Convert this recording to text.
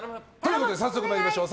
早速参りましょう。